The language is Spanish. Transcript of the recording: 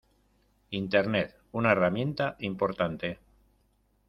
Internet una herramienta importante.